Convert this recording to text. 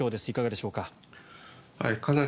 いかがでしょうか。